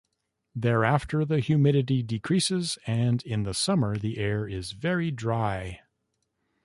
Thereafter the humidity decreases and in the summer the air is very dry.